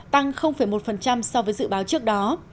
tăng một sáu tăng một so với dự báo trước đó